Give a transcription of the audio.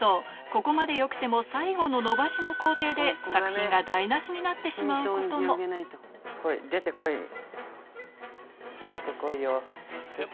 ここまでよくても最後ののばしの工程で作品が台無しになってしまうことも出て来いよ。